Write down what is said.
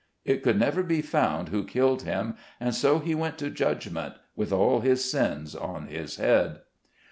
It could never be found who killed him, and so he went to judgment, with all his sins on his head.